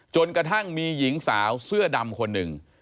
จนกระทั่งมีหญิงสาวเสื้อดำคนหนึ่ง